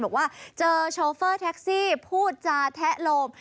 บอกว่าเจอโชเฟอร์แท็กซี่พูดจาแทะโลม